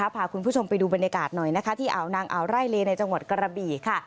พาคุณผู้ชมไปดูบรรยากาศหน่อยนะคะที่อ่าวนางอ่าวไร่เลในจังหวัดกระบี่ค่ะ